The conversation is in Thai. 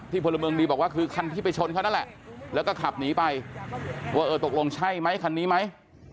พลเมืองดีบอกว่าคือคันที่ไปชนเขานั่นแหละแล้วก็ขับหนีไปว่าเออตกลงใช่ไหมคันนี้ไหม